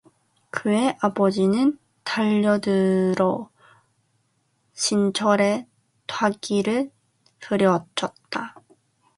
그의 아버지는 달려들어 신철의 따귀를 후려쳤다.